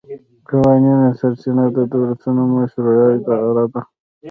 د قوانینو سرچینه د دولتونو مشروعه اراده ده